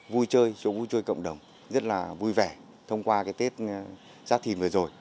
vui chơi vui chơi cộng đồng rất là vui vẻ thông qua cái tết giáp thìn vừa rồi